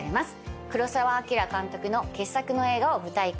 黒澤明監督の傑作の映画を舞台化。